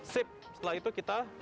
sip setelah itu kita